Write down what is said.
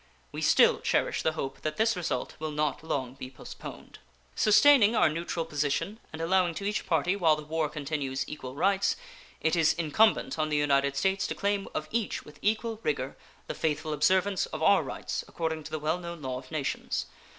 We still cherish the hope that this result will not long be postponed. Sustaining our neutral position and allowing to each party while the war continues equal rights, it is incumbent on the United States to claim of each with equal rigor the faithful observance of our rights according to the well known law of nations.